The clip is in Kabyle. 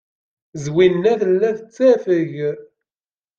Zwina tella tettafeg.